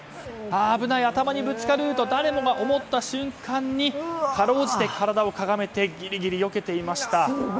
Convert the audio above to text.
危ない、頭にぶつかると誰もが思った瞬間にかろうじて体をかがめてギリギリよけていました。